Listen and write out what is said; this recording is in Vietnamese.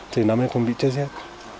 thì nó mới không bị chết xét